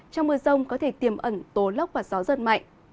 trong mưa rông có thể tiềm ẩn tố lốc và gió giật mạnh